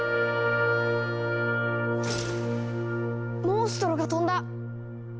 モンストロが飛んだ！